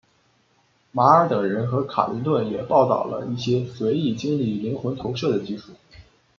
马尔等人和卡林顿也报道了一些随意经历灵魂投射的技术。